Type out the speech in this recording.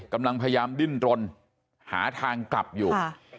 กำลังพยายามดิ้นรนหาทางกลับอยู่